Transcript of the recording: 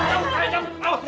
eh jangan jangan